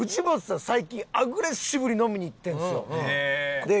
最近アグレッシブに飲みに行ってるんですよ。